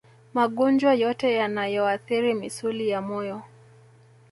Magonjwa yote yanayoathiri misuli ya moyo